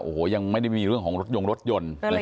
ก็ยังไม่ได้มีเรื่องของรถยงรถยนต์เลยครับ